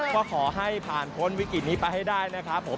ก็ขอให้ผ่านพ้นวิกฤตนี้ไปให้ได้นะครับผม